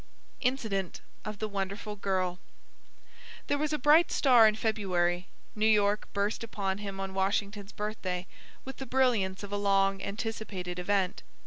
INCIDENT OF THE WONDERFUL GIRL There was a bright star in February. New York burst upon him on Washington's Birthday with the brilliance of a long anticipated event.